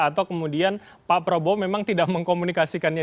atau kemudian pak prabowo memang tidak mengkomunikasikannya